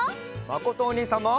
まことおにいさんも。